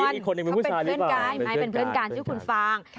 อีกคนนึงเป็นผู้ชายหรือเปล่าเป็นเพื่อนการเป็นเพื่อนการชื่อคุณฟาง